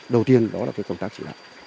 đầu tiên đó là công tác chỉ đạo